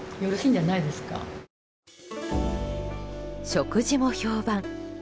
食事も評判。